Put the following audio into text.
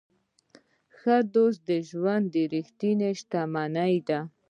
ښه دوستان د ژوند ریښتینې شتمني ده.